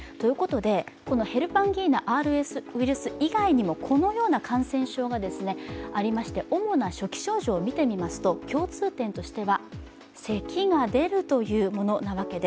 このヘルパンギーナ、ＲＳウイルス以外にもこのような感染症がありまして主な初期症状を見てみますと、共通点としては、せきが出るというものなわけで。